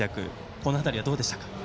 この辺りはどうでしたか？